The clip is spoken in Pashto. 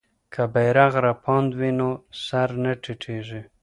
که بیرغ رپاند وي نو سر نه ټیټیږي.